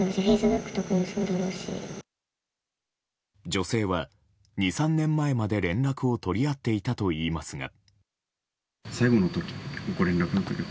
女性は２３年前まで連絡を取り合っていたといいますが。